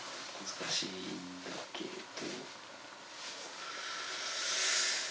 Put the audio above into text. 難しいんだけど。